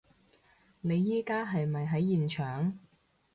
你而家係咪喺現場？